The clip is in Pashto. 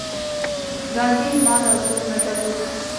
ګاندي مال او کور نه درلود.